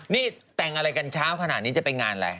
นี่แต่งอะไรกันเช้าขนาดนี้จะไปงานอะไร